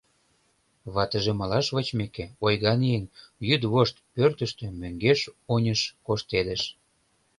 Ватыже малаш вочмеке, ойган еҥ йӱдвошт пӧртыштӧ мӧҥгеш-оньыш коштедыш.